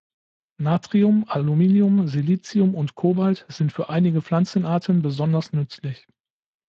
Natrium, Aluminium, Silizium und Cobalt sind für einige Pflanzenarten besonders nützlich.